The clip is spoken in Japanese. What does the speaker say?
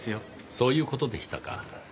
そういう事でしたか。